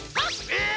え！